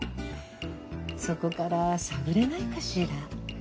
そこから探れないかしら？